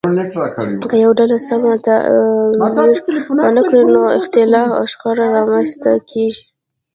که یوه ډله سم تعبیر ونه کړي نو اختلاف او شخړه رامنځته کیږي.